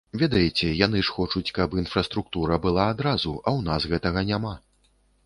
Ведаеце, яны ж хочуць, каб інфраструктура была адразу, а ў нас гэтага няма.